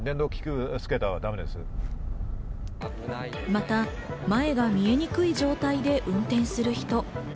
また、前が見えにくい状態で運転する人。